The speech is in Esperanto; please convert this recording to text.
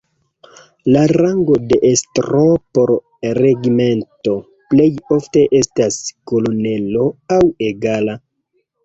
La rango de estro por regimento plej ofte estas kolonelo aŭ egala.